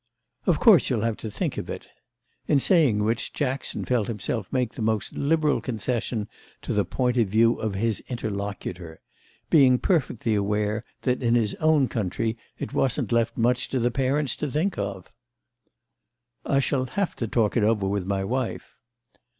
"Of course you'll have to think of it." In saying which Jackson felt himself make the most liberal concession to the point of view of his interlocutor; being perfectly aware that in his own country it wasn't left much to the parents to think of. "I shall have to talk it over with my wife."